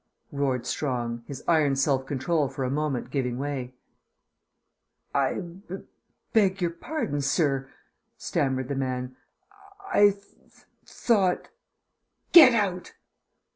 roared Strong, his iron self control for a moment giving way. "I b beg your pardon, sir," stammered the man. "I th thought " "Get out!"